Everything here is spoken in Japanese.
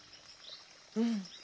うん。